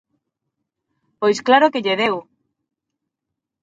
¡Pois claro que lle deu!